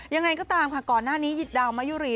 ยังไงก็ตามค่ะก่อนหน้านี้ดาวมะยุรี